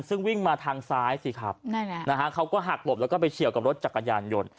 ซึ่งวิ่งมาทางซ้ายสิครับนะฮะเขาก็หักหลบแล้วก็ไปเฉียวกับรถจักรยานยนต์